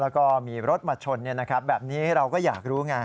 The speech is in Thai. แล้วก็มีรถมาชนแบบนี้เราก็อยากรู้ไง